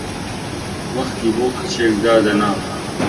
وەختی بۆ کچێک دادەنا!